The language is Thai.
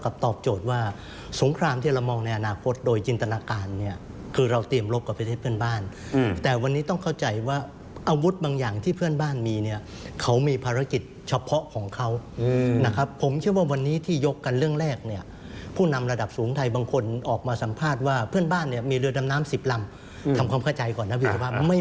ตอบโจทย์ว่าสงครามที่เรามองในอนาคตโดยจินตนาการเนี่ยคือเราเตรียมรบกับประเทศเพื่อนบ้านแต่วันนี้ต้องเข้าใจว่าอาวุธบางอย่างที่เพื่อนบ้านมีเนี่ยเขามีภารกิจเฉพาะของเขานะครับผมเชื่อว่าวันนี้ที่ยกกันเรื่องแรกเนี่ยผู้นำระดับสูงไทยบางคนออกมาสัมภาษณ์ว่าเพื่อนบ้านเนี่ยมีเรือดำน้ำสิบลำทำความเข้าใจก่อนนะพี่ว่าไม่